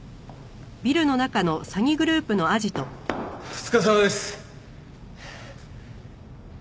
お疲れさまです。